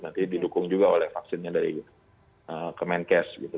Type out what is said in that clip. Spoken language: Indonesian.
nanti didukung juga oleh vaksinnya dari kemenkes gitu